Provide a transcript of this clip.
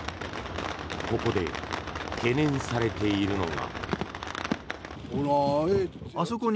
ここで懸念されているのが。